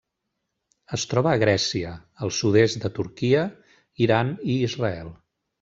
Es troba a Grècia, al sud-est de Turquia, Iran i Israel.